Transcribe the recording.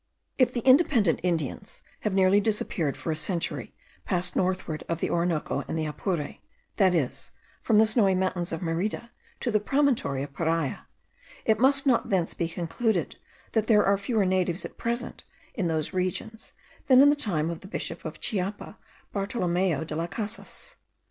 If the independent Indians have nearly disappeared for a century past northward of the Orinoco and the Apure, that is, from the Snowy Mountains of Merida to the promontory of Paria, it must not thence be concluded, that there are fewer natives at present in those regions, than in the time of the bishop of Chiapa, Bartolomeo de las Casas.